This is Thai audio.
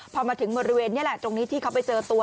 พอมาถึงบริเวณนี้แหละตรงนี้ที่เขาไปเจอตัว